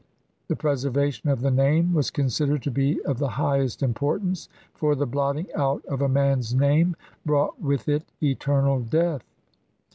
The preservation of the name was considered to be of the highest importance, for the blotting out of a man's name brought with it eternal death.